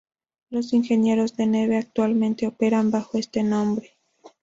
Los ingenieros de Neve actualmente operan bajo este nombre.